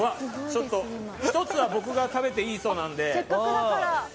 １つは僕が食べていいそうなので。